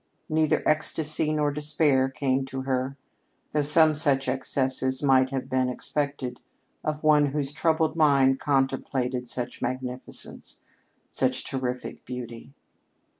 Neither ecstasy nor despair came to her, though some such excesses might have been expected of one whose troubled mind contemplated such magnificence, such terrific beauty.